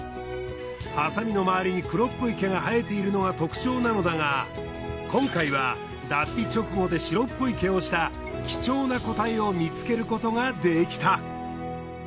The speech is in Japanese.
ハサミのまわりに黒っぽい毛が生えているのが特徴なのだが今回は脱皮直後で白っぽい毛をした貴重な個体を見つけることができた。